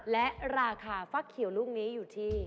และราคาฟักเขียวลูกนี้อยู่ที่